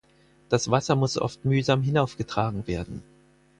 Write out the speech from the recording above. Das Wasser muss oft mühsam hinauf getragen werden.